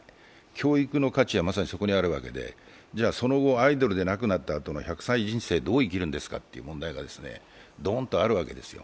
教育の価値はまさにそこにあるわけで、その後、アイドルでなくなったあとの１００歳人生どう生きるんですかという問題がドンとあるわけです。